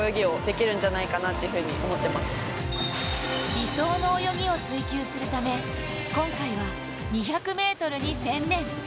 理想の泳ぎを追求するため今回は２００ｍに専念。